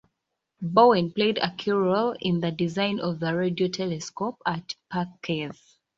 Bowen played a key role in the design of the radio telescope at Parkes.